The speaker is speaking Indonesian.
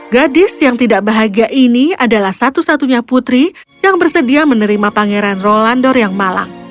gadis yang tidak bahagia ini adalah satu satunya putri yang bersedia menerima pangeran rolandor yang malang